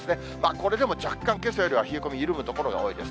これでも若干けさよりは冷え込み、緩む所が多いです。